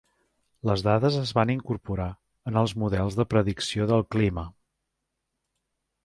Les dades es van incorporar en els models de predicció del clima.